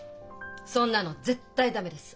そんなの絶対駄目です！